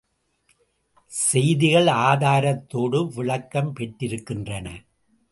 செய்திகள் ஆதாரத்தோடு விளக்கம் பெற்றிருக்கின்றன.